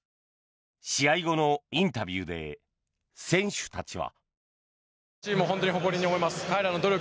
試合後のインタビューで選手たちは。